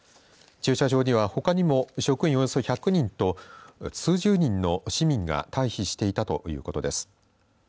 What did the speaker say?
駐車場にはほかにも職員およそ１００人と数十人の市民が退避していたということです。